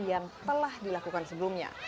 yang telah dilakukan sebelumnya